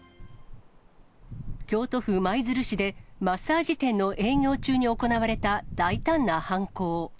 京都府舞鶴市で、マッサージ店の営業中に行われた大胆な犯行。